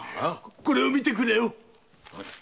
これを見てくれよ。